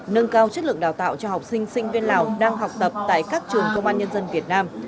nâng cao chất lượng đào tạo cho học sinh sinh viên lào đang học tập tại các trường công an nhân dân việt nam